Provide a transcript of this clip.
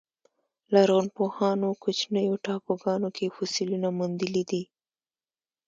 لرغونپوهانو کوچنیو ټاپوګانو کې فسیلونه موندلي دي.